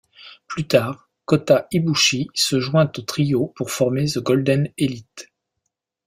Plus tard, Kōta Ibushi se joint au trio pour former The Golden Elite.